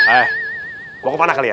eh kok mana kalian